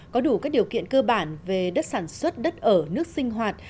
có đủ các điều kiện cơ bản về đất sản xuất đất ở nước sinh hoạt